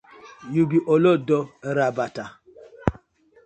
Yu bi olodo rabata.